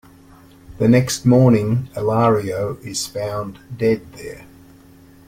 The next morning Ilario is found dead there.